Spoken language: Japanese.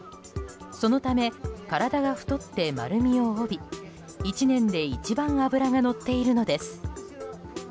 そのため、体が太って丸みを帯び１年で一番脂がのっているのです。